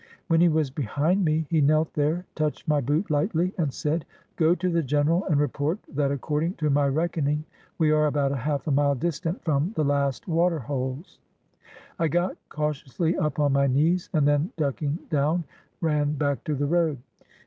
When he was behind me, he knelt there, touched my boot lightly, and said: "Go to the general and report that according to my reckoning we are about half a mile distant from the last water holes." I got cautiously up on my knees, and then ducking down ran back to the road.